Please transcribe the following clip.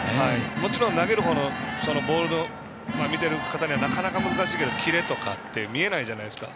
もちろん投げる方のボールを見ている方にはなかなか難しいかもしれませんがキレとか見えないじゃないですか。